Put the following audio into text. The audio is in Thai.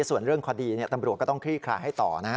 ส่วนเรื่องคดีเนี่ยตำรวจก็ต้องคลีกคลาให้ต่อนะครับ